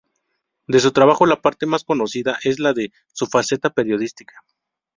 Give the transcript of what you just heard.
De su trabajo, la parte más conocida es la de su faceta periodística.